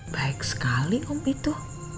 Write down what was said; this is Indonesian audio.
baik sekali om itu